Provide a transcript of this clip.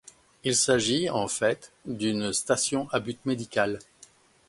Il s'agit, en fait, d'une station à but médical.